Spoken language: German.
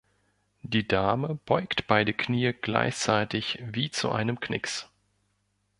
Die Dame beugt beide Knie gleichzeitig wie zu einem Knicks.